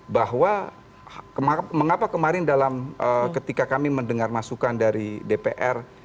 bahwa mengapa kemarin dalam ketika kami mendengar masukan dari dpr